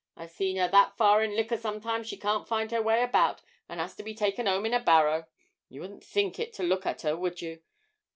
I've seen her that far in liquor sometimes she can't find her way about and 'as to be taken 'ome in a barrow. You wouldn't think it to look at her, would you?